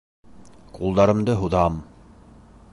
Ҡулдарымды һуҙам!